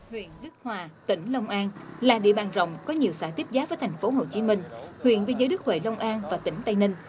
huyện đức hòa tỉnh lông an là địa bàn rộng có nhiều xã tiếp giá với thành phố hồ chí minh huyện viên giới đức huệ lông an và tỉnh tây ninh